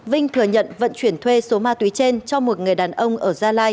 vinh thừa nhận vận chuyển thuê số ma túy trên cho một người đàn ông